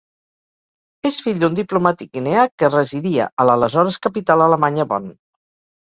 És fill d'un diplomàtic guineà que residia a l'aleshores capital alemanya, Bonn.